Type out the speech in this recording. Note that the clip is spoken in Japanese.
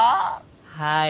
はい。